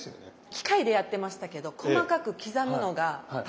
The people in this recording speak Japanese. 機械でやってましたけど細かく刻むのが大変です。